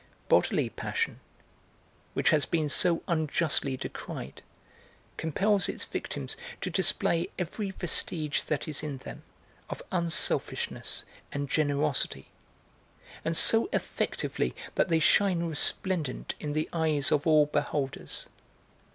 Bodily passion, which has been so unjustly decried, compels its victims to display every vestige that is in them of unselfishness and generosity, and so effectively that they shine resplendent in the eyes of all beholders.